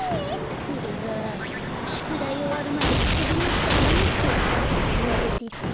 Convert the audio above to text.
それがしゅくだいおわるまであそびにいっちゃダメってお母さんにいわれてて。